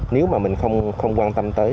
nếu mà mình không quan tâm tới